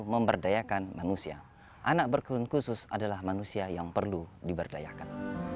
memberdayakan manusia anak berkebutuhan khusus adalah manusia yang perlu diberdayakan